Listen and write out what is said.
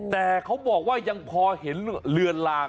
แต่เขาบอกว่ายังพอเห็นเลือนลาง